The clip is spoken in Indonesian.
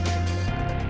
dan itu kita bangun